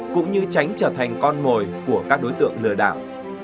cũng như tránh trở thành con mồi của các đối tượng lừa đảo